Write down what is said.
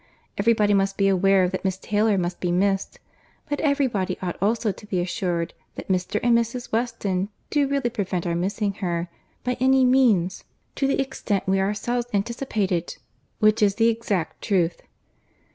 Every body must be aware that Miss Taylor must be missed, but every body ought also to be assured that Mr. and Mrs. Weston do really prevent our missing her by any means to the extent we ourselves anticipated—which is the exact truth."